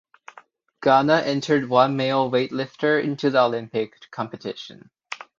Ghana entered one male weightlifter into the Olympic competition.